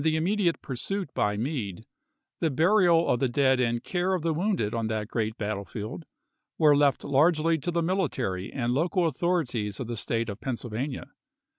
immediate pursuit by Meade, the burial of the dead and care of the wounded on that great battle field were left largely to the military and local au thorities of the State of Pennsylvania.